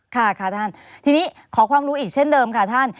ค่ะค่ะท่านทีนี้ขอความรู้อีกเช่นเดิมค่ะท่าน